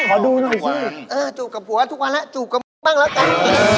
ขอดูหน่อยสิจูบกับผัวทุกวันแล้วจูบกับบ้างแล้วกัน